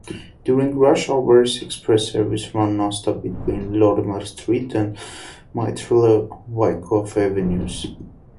During rush hours, express service ran nonstop between Lorimer Street and Myrtle-Wyckoff Avenues.